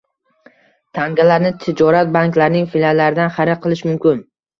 Tangalarni tijorat banklarining filiallaridan xarid qilish mumkin